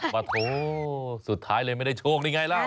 ว่าโถสุดท้ายเลยไม่ได้โชคได้ไงแล้ว